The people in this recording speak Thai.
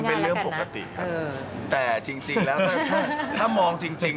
เป็นเรื่องปกติครับแต่จริงแล้วถ้าถ้ามองจริง